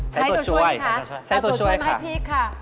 ใช้โตช่วยค่ะ